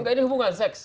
ini hubungan seks